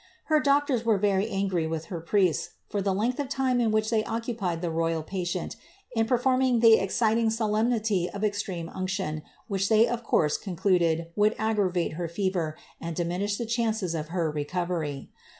Her doctors were very angry with her priests, for the length of time in which they occupied the royal patient, in performing the exciting solemnity of extreme unction, which they of course con cluded would aggravate her fever, and diminish the chances of her recoTery.